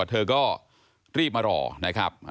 เธอก็รีบมารอนะครับ